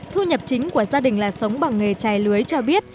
thu nhập chính của gia đình là sống bằng nghề chai lưới cho biết